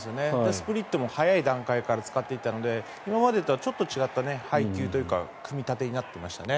スプリットも早い段階から使っていったので今までとはちょっと違った配球というか組み立てになっていましたね。